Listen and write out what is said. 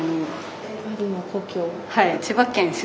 はい。